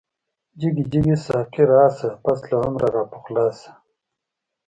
جگی جگی ساقی راشه، پس له عمره را پخلاشه